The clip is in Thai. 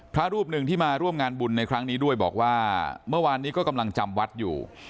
พระรูปหนึ่งที่มาร่วมงานบุญในครั้งนี้ด้วยบอกว่าเมื่อวานนี้ก็กำลังจำวัดอยู่